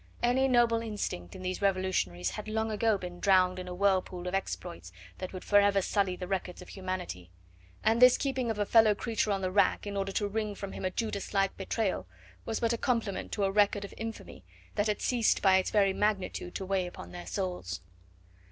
Any noble instinct in these revolutionaries had long ago been drowned in a whirlpool of exploits that would forever sully the records of humanity; and this keeping of a fellow creature on the rack in order to wring from him a Judas like betrayal was but a complement to a record of infamy that had ceased by its very magnitude to weigh upon their souls.